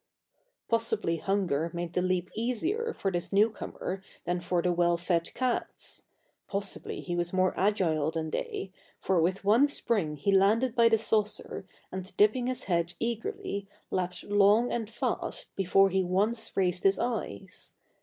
Possibly hunger made the leap easier for this new comer than for the well fed cats; possibly he was more agile than they, for with one spring he landed by the saucer and dipping his head eagerly lapped long and fast before he once raised his eyes.